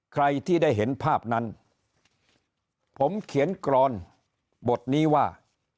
ใครที่ได้เห็นภาพนั้นผมเขียนกรอนบทนี้ว่า